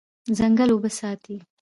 ځنګل اوبه ساتي.